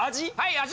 味？